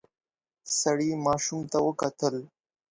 سړی ماشوم ته وکتل.